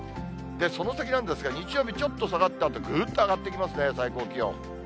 その先なんですが、日曜日、ちょっと下がったあと、ぐっと上がっていきますね、最高気温。